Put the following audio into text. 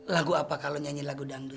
lagu apa kalau nyanyi lagu dangdut